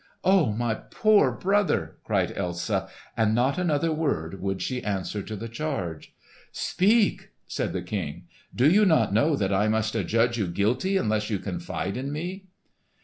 "Oh, my poor brother!" cried Elsa; and not another word would she answer to the charge. "Speak!" said the King. "Do you not know that I must adjudge you guilty unless you confide in me?"